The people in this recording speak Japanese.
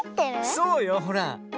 そうよほら。